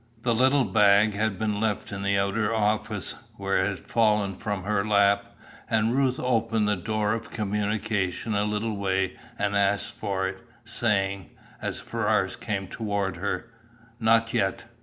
The little bag had been left in the outer office, where it had fallen from her lap, and Ruth opened the door of communication a little way and asked for it, saying, as Ferrars came toward her, "Not yet."